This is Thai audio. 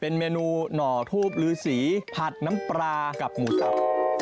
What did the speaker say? เป็นเมนูหน่อทูบลือสีผัดน้ำปลากับหมูสับ